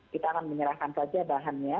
kita akan menyerahkan saja bahannya